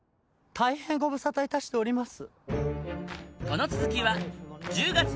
大変ご無沙汰致しております。